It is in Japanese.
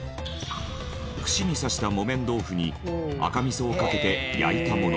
串に挿した木綿豆腐に赤味噌をかけて焼いたもの。